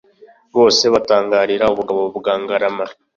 Bose batangarira ubugabo bwa Ngarama